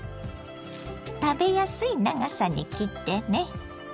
食べやすい長さに切ってね。